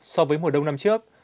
so với mùa đông năm trước